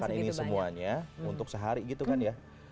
makan ini semuanya untuk sehari gitu kan ya